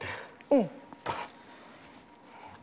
うん。